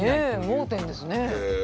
盲点ですね。